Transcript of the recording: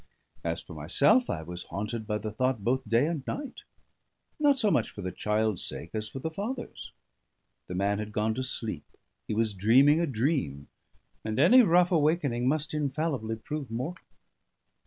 As for myself, I was haunted by the thought both day and night: not so much for the child's sake as for the father's. The man had gone to sleep, he was dreaming a dream, and any rough awakening must infallibly prove mortal.